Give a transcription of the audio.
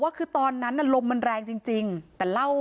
พระเจ้าที่อยู่ในเมืองของพระเจ้า